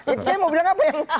itu saya mau bilang apa ya